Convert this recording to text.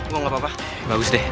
gue gak apa apa bagus deh